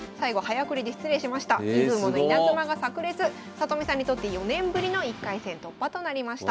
里見さんにとって４年ぶりの１回戦突破となりました。